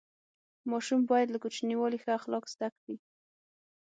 ماشوم باید له کوچنیوالي ښه اخلاق زده کړي.